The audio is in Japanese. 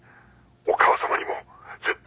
お母さまにも絶対。